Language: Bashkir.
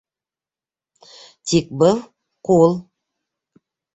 Тик был —ҡул!